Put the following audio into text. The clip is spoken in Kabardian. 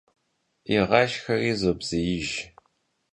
Vığaşşxeri zobzêijj.